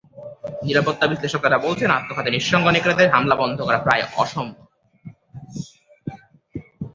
নিরাপত্তা বিশ্লেষকেরা বলছেন, আত্মঘাতী নিঃসঙ্গ নেকড়েদের হামলা বন্ধ করা প্রায় অসম্ভব।